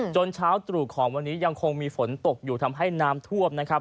เช้าตรู่ของวันนี้ยังคงมีฝนตกอยู่ทำให้น้ำท่วมนะครับ